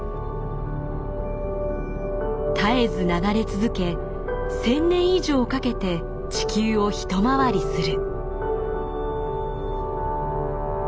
絶えず流れ続け１，０００年以上かけて地球を一回りする。